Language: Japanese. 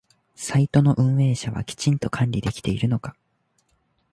サイトの運営者はきちんと管理できているのか？